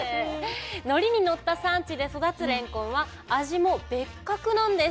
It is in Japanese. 乗りに乗った産地で育つれんこんは味も別格なんです。